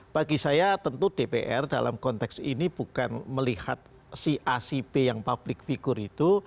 bagi saya tentu dpr dalam konteks ini bukan melihat si a si b yang public figure itu